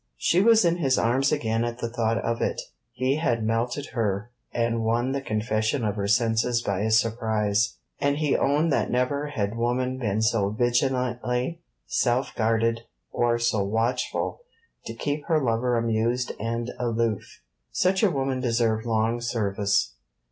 She was in his arms again at the thought of it. He had melted her, and won the confession of her senses by a surprise, and he owned that never had woman been so vigilantly self guarded or so watchful to keep her lover amused and aloof. Such a woman deserved long service.